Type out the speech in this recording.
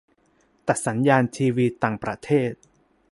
- ตัดสัญญาณทีวีต่างประเทศ